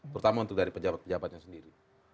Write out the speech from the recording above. terutama untuk dari pejabat pejabatnya sendiri